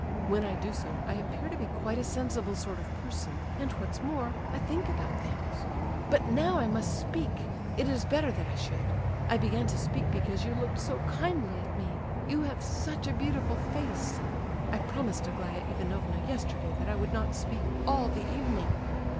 When I do so, I appear to be quite a sensible sort of a person, and what's more, I think about things. But now I must speak; it is better that I should. I began to speak because you looked so kindly at me; you have such a beautiful face. I promised Aglaya Ivanovna yesterday that I would not speak all the evening."